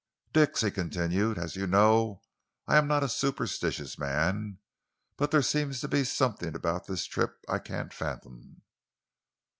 "Dix," he continued, "as you know, I am not a superstitious man, but there seems to be something about this trip I can't fathom."